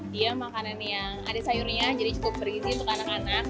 dia makanan yang ada sayurnya jadi cukup berisi untuk anak anak